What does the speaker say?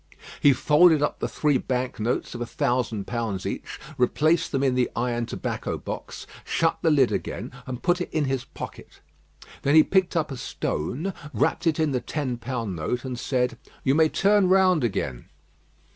He folded up the three bank notes of a thousand pounds each, replaced them in the iron tobacco box, shut the lid again, and put it in his pocket. Then he picked up a stone, wrapped it in the ten pound note, and said: "You may turn round again."